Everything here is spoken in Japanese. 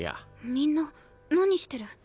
みんな何してる？ん？